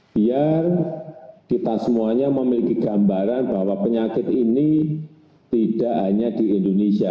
biar kita semuanya memiliki gambaran bahwa penyakit ini tidak hanya di indonesia